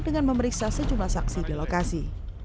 dengan memeriksa sejumlah saksi di lokasi